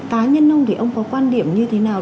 cá nhân ông thì ông có quan điểm như thế nào